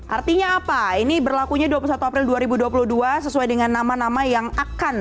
artinya apa ini berlakunya dua puluh satu april dua ribu dua puluh dua sesuai dengan nama nama yang akan